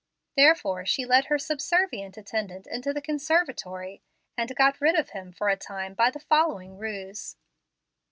Therefore she led her subservient attendant into the conservatory, and got rid of him for a time by the following ruse.